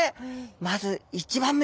まず１番目です。